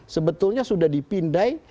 sebetulnya sudah dipindai